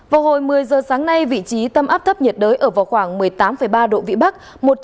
vào hồi một mươi giờ sáng nay vị trí tâm áp thấp nhiệt đới ở vào khoảng một mươi tám ba độ vĩ bắc